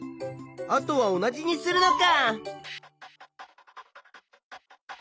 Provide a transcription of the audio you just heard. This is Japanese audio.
あとは同じにするのか。